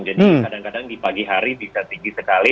jadi kadang kadang di pagi hari bisa tinggi sekali